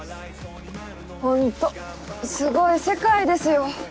本当すごい世界ですよ。